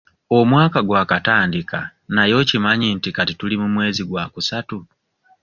Omwaka gwakatandika naye okimanyi nti kati tuli mu mwezi gwakusatu?